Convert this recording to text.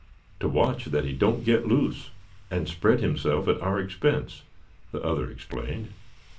"To watch that he don't get loose, and spread himself at our expense," the other explained.